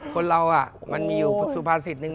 คนเรามันมีอยู่สุภาษิตนึง